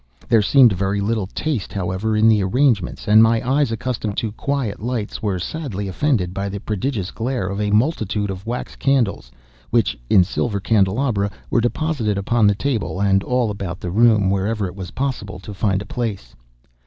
There seemed very little taste, however, in the arrangements; and my eyes, accustomed to quiet lights, were sadly offended by the prodigious glare of a multitude of wax candles, which, in silver candelabra, were deposited upon the table, and all about the room, wherever it was possible to find a place.